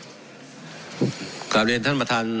ผมจะขออนุญาตให้ท่านอาจารย์วิทยุซึ่งรู้เรื่องกฎหมายดีเป็นผู้ชี้แจงนะครับ